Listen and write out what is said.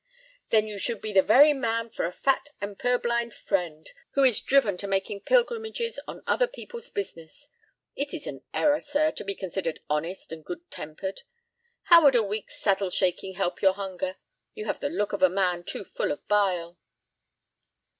"Then you should be the very man for a fat and purblind friend who is driven to making pilgrimages on other people's business. It is an error, sir, to be considered honest and good tempered. How would a week's saddle shaking help your hunger. You have the took of a man too full of bile."